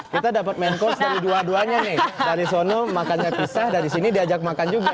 kita dapat main course dari dua duanya nih dari sono makannya pisah dari sini diajak makan juga